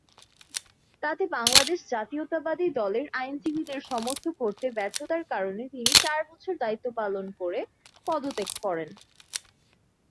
তাতে বাংলাদেশ জাতীয়তাবাদী দলের আইনজীবীদের সমর্থন করতে ব্যর্থতার কারণে তিনি চার বছর দায়িত্ব পালন করে পদত্যাগ করেন।